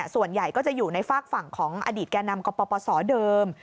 ส่วนใหญ่ก็จะอยู่ในฝากฝั่งของอดีตแก่นำกปศเดิม